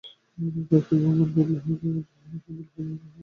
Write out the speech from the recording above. তাই কি, কুমার দিল্লি হইতে লোহার শৃঙ্খল হাতে করিয়া আনিয়াছেন!